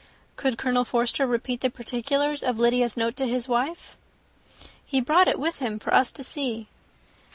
"Could Colonel Forster repeat the particulars of Lydia's note to his wife?" "He brought it with him for us to see."